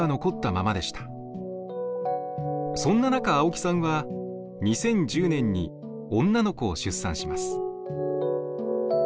そんな中青木さんは２０１０年に女の子を出産します。